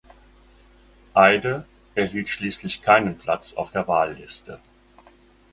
Eide erhielt schließlich keinen Platz auf der Wahlliste.